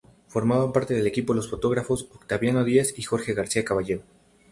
Formaban parte del equipo los fotógrafos Octaviano Díaz y Jorge García Caballero.